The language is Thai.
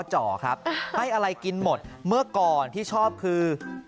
จ่อครับให้อะไรกินหมดเมื่อก่อนที่ชอบคือ